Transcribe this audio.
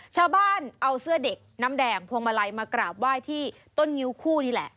ชาวบ้านเอาเสื้อเด็กน้ำแดงพวงมาลัยมากราบไหว้ที่ต้นงิ้วคู่นี่แหละ